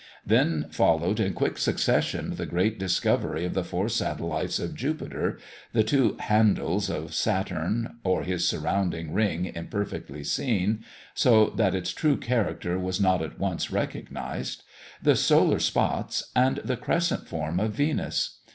Then followed in quick succession the great discovery of the four satellites of Jupiter, the two "handles" of Saturn, or his surrounding ring imperfectly seen, so that its true character was not at once recognised; the solar spots, and the crescent form of Venus.